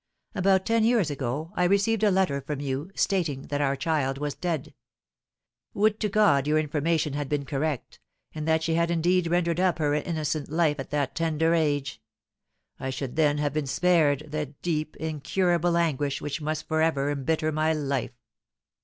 About ten years ago I received a letter from you, stating that our child was dead. Would to God your information had been correct, and that she had indeed rendered up her innocent life at that tender age! I should then have been spared the deep, incurable anguish which must for ever embitter my life!"